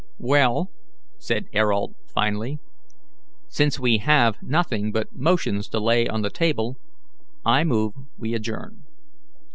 "Well," said Ayrault, finally, "since we have nothing but motions to lay on the table, I move we adjourn."